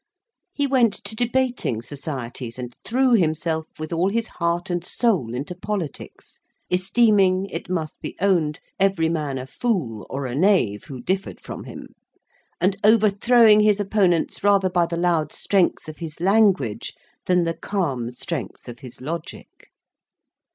He went to debating societies, and threw himself with all his heart and soul into politics; esteeming, it must be owned, every man a fool or a knave who differed from him, and overthrowing his opponents rather by the loud strength of his language than the calm strength if his logic.